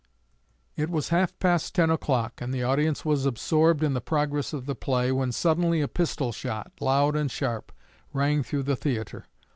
It was half past ten o'clock, and the audience was absorbed in the progress of the play, when suddenly a pistol shot, loud and sharp, rang through the theatre.